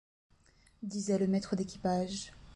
disait le maître d’équipage.